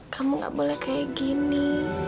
kamu gak boleh kayak gini